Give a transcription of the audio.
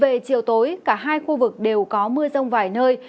về chiều tối cả hai khu vực đều có mưa rông vài nơi